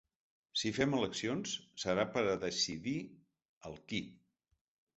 Si fem eleccions, serà per a decidir el qui.